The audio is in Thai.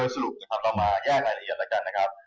สรุปคันต่อมาแยกรายละเอียดละกัน